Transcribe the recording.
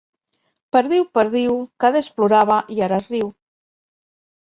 Perdiu, perdiu, que adés plorava i ara es riu.